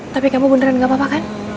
tapi kamu beneran gak apa apa kan